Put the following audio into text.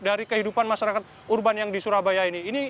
dari kehidupan masyarakat urban yang di surabaya ini